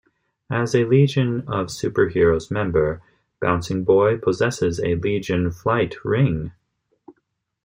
As a Legion of Super-Heroes member, Bouncing Boy possesses a Legion Flight Ring.